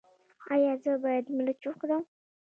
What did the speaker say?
ایا زه باید مرچ وخورم؟